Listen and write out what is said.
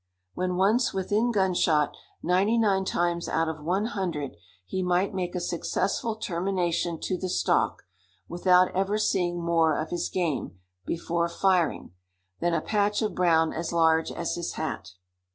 When once within gunshot, ninety nine times out of one hundred he might make a successful termination to the stalk, without ever seeing more of his game, before firing, than a patch of brown as large as his hat.